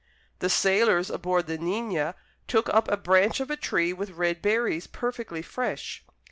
The sailors aboard the Nigna took up the branch of a tree with red berries perfectly fresh.